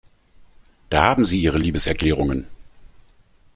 Da haben Sie Ihre Liebeserklärungen.